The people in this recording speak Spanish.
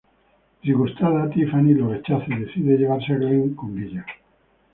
Disgustada, Tiffany lo rechaza y decide llevarse a Glen con ella.